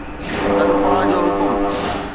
تنخواه جو حڪم